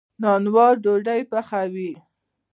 نانوا ډوډۍ پخوي.